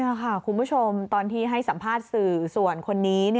นี่ค่ะคุณผู้ชมตอนที่ให้สัมภาษณ์สื่อส่วนคนนี้